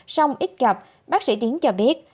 song ít gặp bác sĩ tiến cho biết